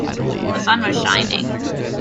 The sun was shining